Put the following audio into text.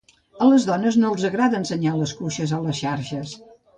A les dones no els agrada ensenyar les cuixes a les xarxes.